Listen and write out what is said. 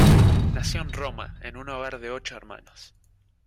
Nació en Roma, en un hogar de ocho hermanos.